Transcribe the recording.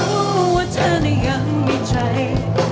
รู้ว่าเธอเนี่ยยังมีใจ